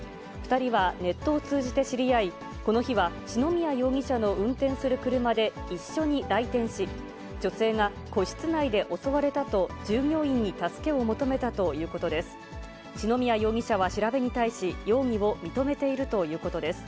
２人はネットを通じて知り合い、この日は、篠宮容疑者の運転する車で一緒に来店し、女性が個室内で襲われたと従業員に助けを求めたということです。